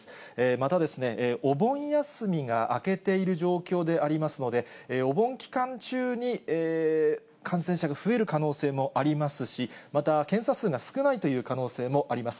またお盆休みが明けている状況でありますので、お盆期間中に感染者が増える可能性もありますし、また、検査数が少ないという可能性もあります。